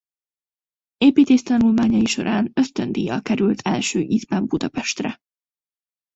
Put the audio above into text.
Építész tanulmányai során ösztöndíjjal került első ízben Budapestre.